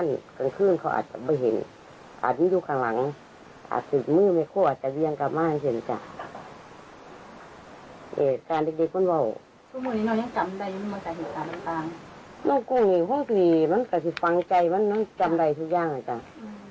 ลูกคุณเนี่ยความกลีมันกระทิบฟังใจมันกำไรทุกอย่างอาจารย์